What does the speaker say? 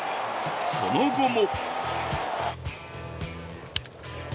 その後も。